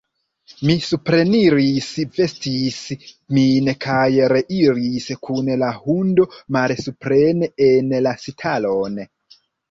Mi supreniris, vestis min kaj reiris kun la hundo malsupren en la stalon.